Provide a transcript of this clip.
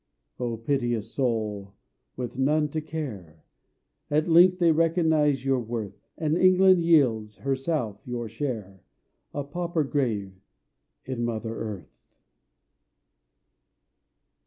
Oh piteous soul! with none to care, At length they recognize your worth; And England yields, herself, your share: A pauper grave in Mother Earth.